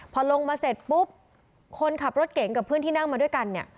พอลงมาเสร็จปุ๊บคนขับรถเก่งกับเพื่อนที่นั่งมาด้วยกันเนี่ย